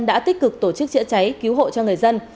đã tích cực tổ chức chữa cháy cứu hộ cho người dân